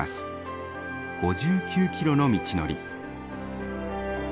５９キロの道のり。